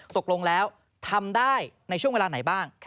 ตกลงแล้วทำได้ในช่วงเวลาไหนบ้าง